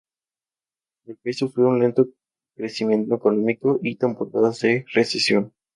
El país sufrió un lento crecimiento económico y temporadas de recesión.